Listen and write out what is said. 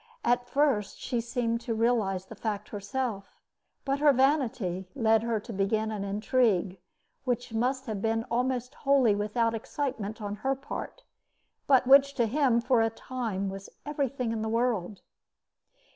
At first she seemed to realize the fact herself; but her vanity led her to begin an intrigue, which must have been almost wholly without excitement on her part, but which to him, for a time, was everything in the world.